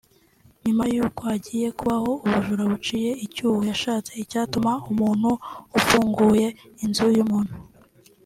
Nyuma yuko hagiye habaho ubujura buciye icyuho yashatse icyatuma umuntu ufunguye inzu y’umuntu